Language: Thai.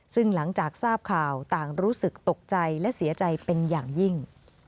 ซึ่งหลังจากทราบข่าวต่างรู้สึกตกใจและเสียใจเป็นอย่างยิ่ง